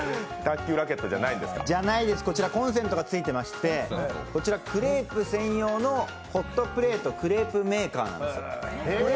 こちら、コンセントがついてましてクレープ専用のホットプレートクレープメーカーなんです。